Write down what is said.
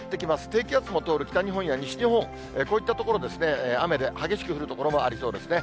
低気圧も通る北日本や西日本、こういった所、雨で、激しく降る所もありそうですね。